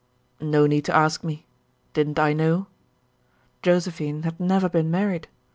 No need to ask me. Didn't I know? Josephine had never been married.